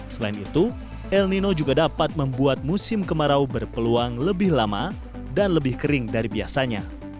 selain itu el nino juga dapat membuat musim kemarau berpeluang lebih lama dan lebih kering dari biasanya